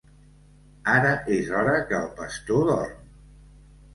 Ara és hora, que el pastor dorm.